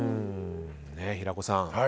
平子さん。